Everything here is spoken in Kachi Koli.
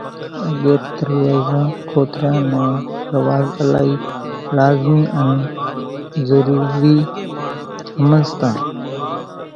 اڳيَ ترُووازان کوتريا نون رواز الائِي لازمِي انين ضرورِي ۿمزتان۔